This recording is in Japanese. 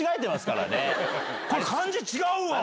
これ漢字違うわ！